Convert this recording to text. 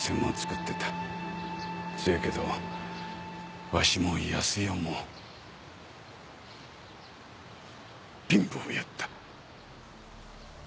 せやけどわしも靖代も貧乏やった。